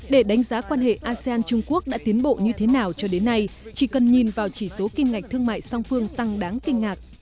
để đánh giá quan hệ asean trung quốc đã tiến bộ như thế nào cho đến nay chỉ cần nhìn vào chỉ số kim ngạch thương mại song phương tăng đáng kinh ngạc